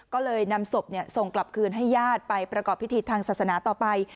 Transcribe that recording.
ก็เลยนำศพส่งกลับคืนให้ญาติไปประกอบพิธีทางศาสนาต่อไป